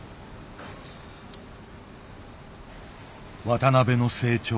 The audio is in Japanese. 渡辺の成長。